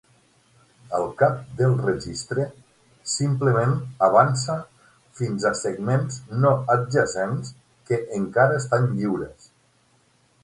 El cap del registre simplement avança fins a segments no adjacents que encara estan lliures.